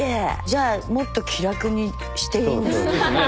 じゃあもっと気楽にしていいんですね。